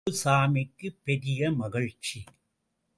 குப்புசாமிக்குப் பெரிய மகிழ்ச்சி!